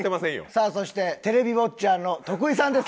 さあそしてテレビウォッチャーの徳井さんです。